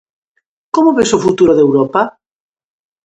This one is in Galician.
Como ves o futuro de Europa?